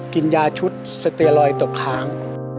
กินยาชุดสเตียรอยด์ตบขาง